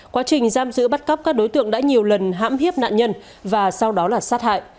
quá trình giam giữ bắt cóc các đối tượng đã nhiều lần hãm hiếp nạn nhân và sau đó là sát hại